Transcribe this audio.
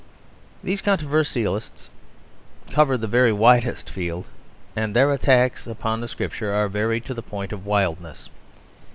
These controversialists cover the very widest field, and their attacks upon Scripture are varied to the point of wildness.